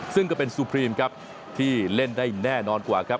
ซึ่งก็เป็นซูพรีมครับที่เล่นได้แน่นอนกว่าครับ